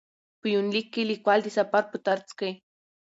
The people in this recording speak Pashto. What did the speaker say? په یونلیک کې لیکوال د سفر په ترڅ کې.